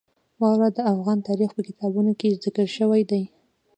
واوره د افغان تاریخ په کتابونو کې ذکر شوی دي.